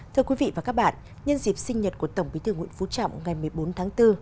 thưa quý vị và các bạn nhân dịp sinh nhật của tổng bí thư nguyễn phú trọng ngày một mươi bốn tháng bốn